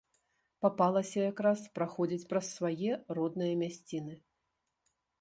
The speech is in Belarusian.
Папалася якраз праходзіць праз свае, родныя мясціны.